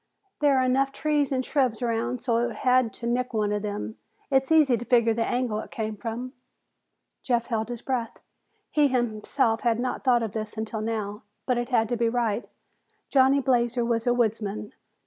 There are enough trees and shrubs around so that it had to nick one of them. It's easy to figure the angle it came from." Jeff held his breath. He himself had not thought of this until now, but it had to be right. Johnny Blazer was a woodsman.